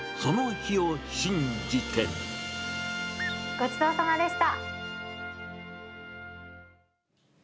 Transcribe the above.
ごちそうさまでした。